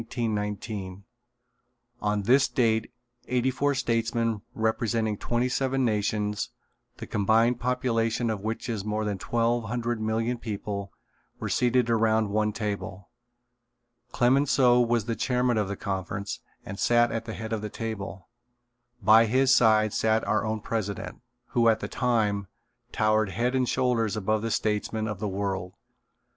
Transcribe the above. On this date eighty four statesmen representing twenty seven nations, the combined population of which is more than twelve hundred million people, were seated around one table. Clemenceau was the chairman of the conference and sat at the head of the table. By his side sat our own president, who at that time, towered head and shoulders above the statesmen of the world.